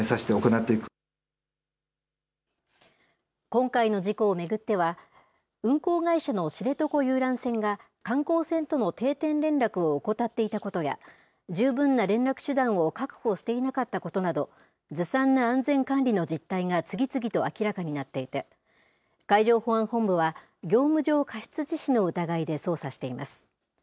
今回の事故を巡っては、運航会社の知床遊覧船が、観光船との定点連絡を怠っていたことや、十分な連絡手段を確保していなかったことなど、ずさんな安全管理の実態が次々と明らかになっていて、海上保安本部は業務上過失致死の疑いで捜査しています。